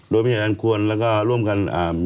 โดยพิเศษอันควรแล้วก็ร่วมกัน